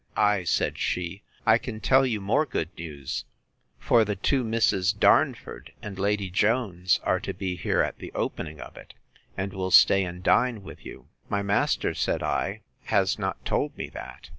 —Ay, said she, I can tell you more good news; for the two Misses Darnford, and Lady Jones, are to be here at the opening of it; and will stay and dine with you. My master, said I, has not told me that.